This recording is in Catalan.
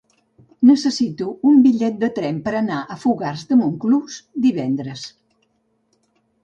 Necessito un bitllet de tren per anar a Fogars de Montclús divendres.